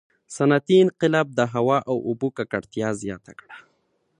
• صنعتي انقلاب د هوا او اوبو ککړتیا زیاته کړه.